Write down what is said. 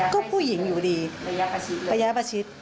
ก็ผู้หญิงอยู่ดีระยะประชิด